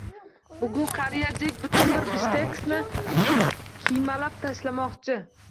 Bugun Qariya Jek butun bir "Bifshteks"ni kiymalab tashlamoqchi